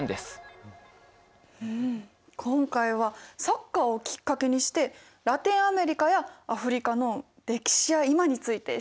今回はサッカーをきっかけにしてラテンアメリカやアフリカの歴史や今について知ることができました。